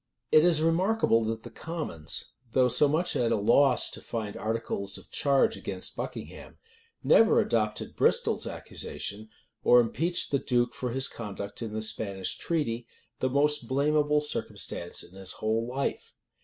It is remarkable that the commons, though so much at a loss to find articles of charge against Buckingham, never adopted Bristol's accusation, or impeached the duke for his conduct in the Spanish treaty, the most blamable circumstance in his whole life.